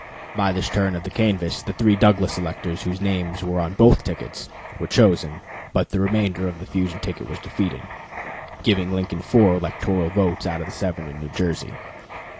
By this turn of the canvass the three Douglas electors whose names were on both tickets were chosen, but the remainder of the fusion ticket was defeated, giving Lincoln four electoral votes out of the seven in New Jersey.